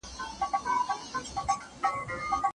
منډېلا وویل چې د نفرت په ځای مینه ډېر زر خپرېږي.